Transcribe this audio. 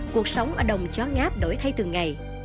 cuộc sống ở đồng chó ngáp đổi thay từng ngày